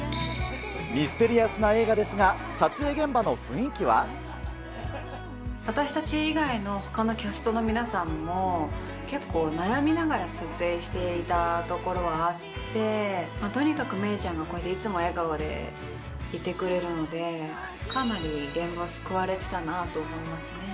ミステリアスな映画ですが、私たち以外のほかのキャストの皆さんも、結構、悩みながら撮影していたところはあって、とにかく芽郁ちゃんがこうやっていつも笑顔でいてくれるので、かなり現場救われてたなと思いますね。